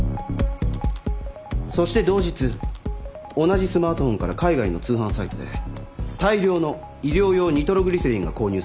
そして同日同じスマートフォンから海外の通販サイトで大量の医療用ニトログリセリンが購入されました。